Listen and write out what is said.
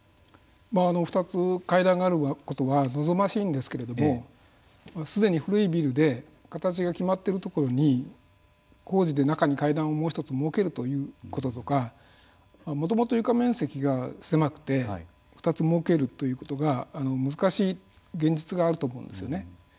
２つ階段があることが望ましいんですけれどもすでに古いビルで形が決まってるところに工事で中に階段をもう一つ設けるということとかもともと床面積が狭くて２つ設けるということが難しい現実があると思うんですよね。